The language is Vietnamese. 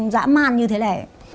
dã man như thế này